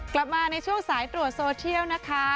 กลับมาในช่วงสายตรวจโซเทียลนะคะ